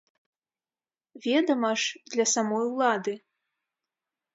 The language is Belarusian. Ведама ж, для самой ўлады.